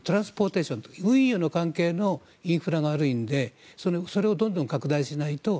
運輸の関係のインフラが悪いのでそれをどんどん拡大しないと。